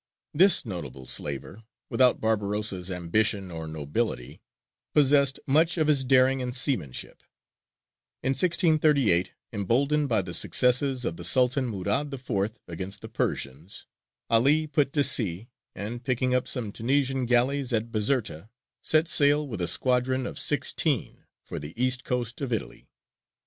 This notable slaver, without Barbarossa's ambition or nobility, possessed much of his daring and seamanship. In 1638, emboldened by the successes of the Sultan Murād IV. against the Persians, 'Ali put to sea, and, picking up some Tunisian galleys at Bizerta, set sail with a squadron of sixteen for the east coast of Italy.